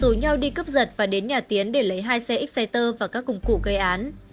rủ nhau đi cướp giật và đến nhà tiến để lấy hai xe excer và các công cụ gây án